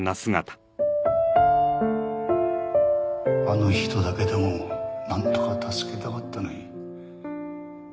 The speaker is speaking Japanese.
あの人だけでもなんとか助けたかったのに。